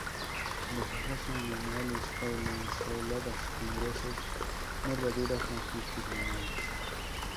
Las hojas son lineales o lanceoladas, con gruesas nervaduras longitudinales.